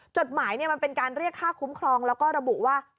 จดหมายมันเป็นการเรียกค่าคุ้มครองแล้วก็ระบุว่า